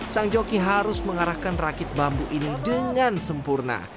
sang joki harus mengarahkan rakit bambu ini dengan sempurna